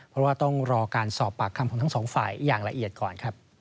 เพราะว่าต้องรอการสอบปากคำของทั้งสองฝ่ายอย่างละเอียดก่อนครับ